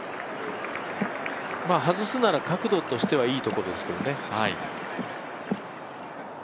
外すなら角度としてはいいところですけどね。